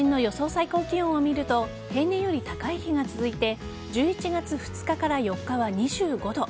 最高気温を見ると平年より高い日が続いて１１月２日から４日は２５度。